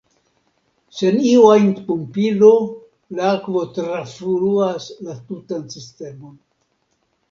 Sen iu ajn pumpilo la akvo trafluas la tutan sistemon.